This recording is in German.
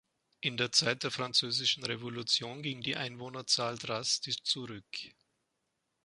In der Zeit der Französischen Revolution ging die Einwohnerzahl drastisch zurück.